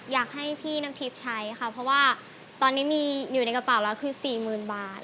อยากให้พี่น้ำทิพย์ใช้ค่ะเพราะว่าตอนนี้มีอยู่ในกระเป๋าแล้วคือ๔๐๐๐บาท